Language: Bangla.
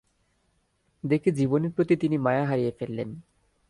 দেখে জীবনের প্রতি তিনি মায়া হারিয়ে ফেললেন।